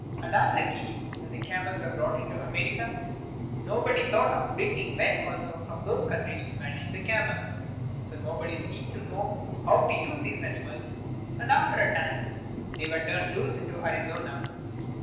And unluckily, when the camels were brought into America, nobody thought of bringing men also from those countries to manage the camels. So nobody seemed to know how to use these animals, and after a time they were turned loose in Arizona.